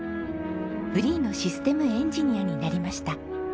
フリーのシステムエンジニアになりました。